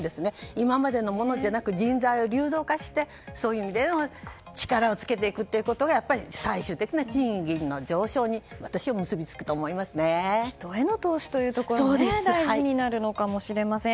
今までのものじゃなく人材を流動化してそういう意味で力をつけていくことが最終的な賃金上昇に人への投資というところ大事になるのかもしれません。